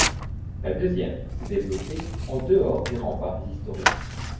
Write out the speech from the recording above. La deuxième s'est développée en dehors des remparts historiques.